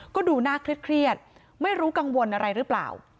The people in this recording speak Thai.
ก็ดูน่าเครียดไม่รู้กังวลอะไรหรือเปล่า